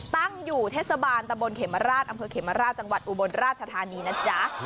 ตั้งอยู่เทศบาลตะบนเขมราชอำเภอเขมราชจังหวัดอุบลราชธานีนะจ๊ะ